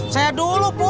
saya dulu pur